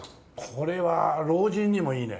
これは老人にもいいね。